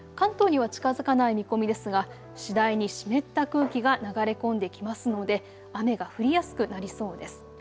関東には近づかない見込みですが次第に湿った空気が流れ込んできますので雨が降りやすくなりそうです。